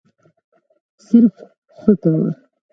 صرف «ښه» کوه.